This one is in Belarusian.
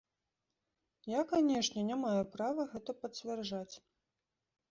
Я, канешне, не маю права гэта пацвярджаць.